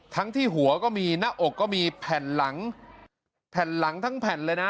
ที่หัวก็มีหน้าอกก็มีแผ่นหลังแผ่นหลังทั้งแผ่นเลยนะ